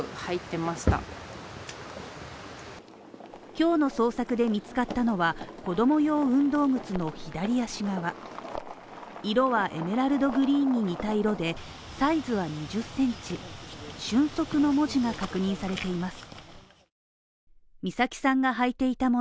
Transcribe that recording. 今日の捜索で見つかったのは、子供用運動靴の左足側色はエメラルドグリーンに似た色で、サイズは２０センチシュンソクの文字が確認されています。